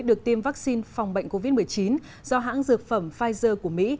được tiêm vaccine phòng bệnh covid một mươi chín do hãng dược phẩm pfizer của mỹ